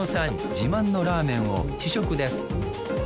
自慢のラーメンを試食です